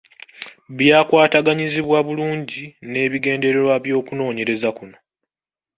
Byakwataganyizibwa bulungi n’ebigendererwa by’okunoonyereza kuno.